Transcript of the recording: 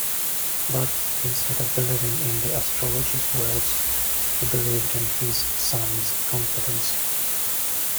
But, instead of believing in the astrologer's words, he believed in his son's confidence.